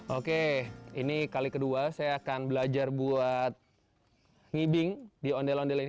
oke ini kali kedua saya akan belajar buat ngibing di ondel ondel ini